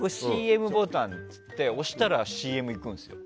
ＣＭボタンっていって押したらＣＭに行くんですよ。